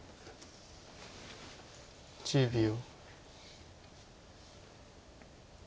１０秒。